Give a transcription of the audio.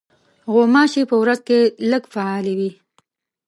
غوماشې په ورځ کې لږ فعالې وي.